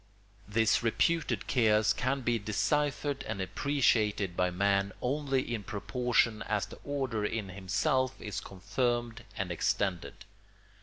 This reputed chaos can be deciphered and appreciated by man only in proportion as the order in himself is confirmed and extended.